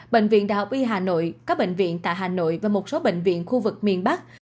bệnh viện đại học y hà nội các bệnh viện tại hà nội và một số bệnh viện khu vực miền bắc